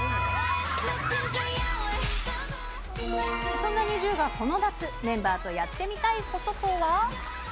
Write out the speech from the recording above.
そんなＮｉｚｉＵがこの夏、メンバーとやってみたいこととは。